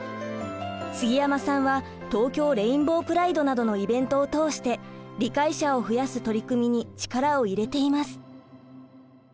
杉山さんは東京レインボープライドなどのイベントを通して理解者を増やす取り組みに力を入れています。